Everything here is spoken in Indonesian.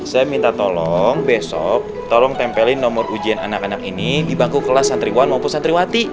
saya minta tolong besok tolong tempelin nomor ujian anak anak ini di bangku kelas santriwan maupun santriwati